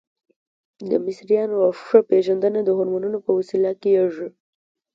د مصریانو ښه پیژندنه د هرمونو په وسیله کیږي.